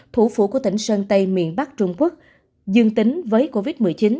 thủ phủ của tỉnh sơn tây miền bắc trung quốc dương tính với covid một mươi chín